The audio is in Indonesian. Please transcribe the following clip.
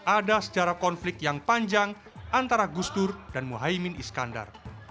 ada secara konflik yang panjang antara gusdur dan muhaymin iskandar